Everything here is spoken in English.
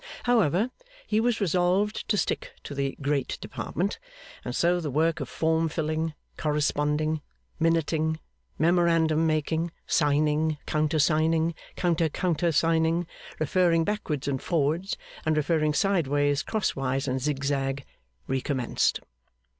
However, he was resolved to stick to the Great Department; and so the work of form filling, corresponding, minuting, memorandum making, signing, counter signing, counter counter signing, referring backwards and forwards, and referring sideways, crosswise, and zig zag, recommenced.